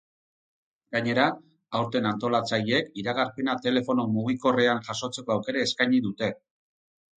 Gainera, aurten antolatzaileek iragarpena telefono mugikorrean jasotzeko aukera eskaini dute.